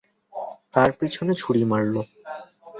তার পেছনে ছুরি মারলো।